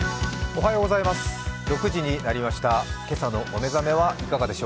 おはようございます。